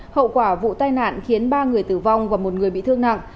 hậu quả vụ tai nạn khiến ba người tử vong và một người bị thương nặng